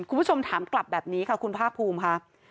คุณผู้ชมถามกลับแบบนี้ค่ะคุณภาคภูมิค่ะ